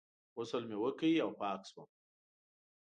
غسل مې وکړ او پاک شوم.